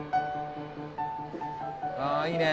ああいいね。